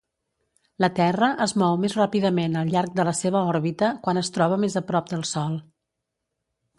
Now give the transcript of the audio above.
La Terra es mou més ràpidament al llarg de la seva òrbita quan es troba més a prop del sol.